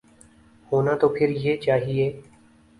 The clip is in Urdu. ہونا تو پھر یہ چاہیے۔